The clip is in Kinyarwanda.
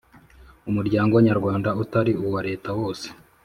Umuryango Nyarwanda utari uwa Leta wose